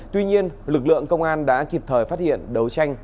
tuy nhiên lực lượng công an đã kịp thời phát hiện đấu tranh